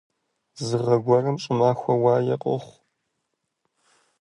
Зы гъэ гуэрым щӀымахуэ уае къохъу.